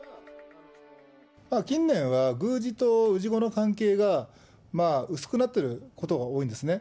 近年は宮司と氏子の関係が、薄くなってることが多いんですね。